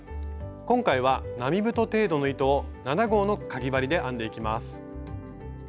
今回は並太程度の糸を７号のかぎ針で編んでいきます。